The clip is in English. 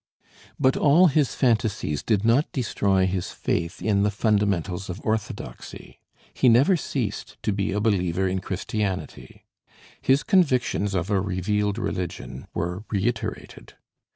But all his fantasies did not destroy his faith in the fundamentals of orthodoxy. He never ceased to be a believer in Christianity. His convictions of a revealed religion were reiterated.